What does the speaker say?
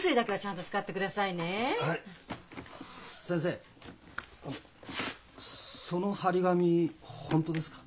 先生あのその貼り紙本当ですか？